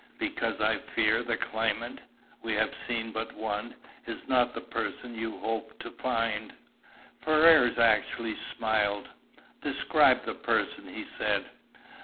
"Because I fear the claimant we have seen but one is not the person you hoped to find." Ferrars actually smiled. "Describe the person," he said.